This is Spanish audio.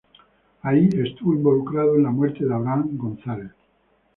Ahí estuvo involucrado en la muerte de Abraham González.